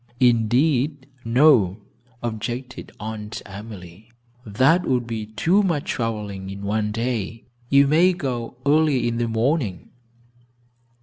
"Indeed, no," objected Aunt Emily, "that would be too much traveling in one day. You may go early in the morning."